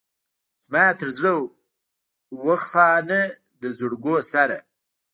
زما تر زړه و خانه د زرګو سره.